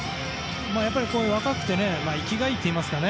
やっぱり若くて生きがいいといいますか。